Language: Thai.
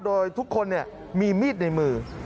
โดยทุกคนมีมีดในมือ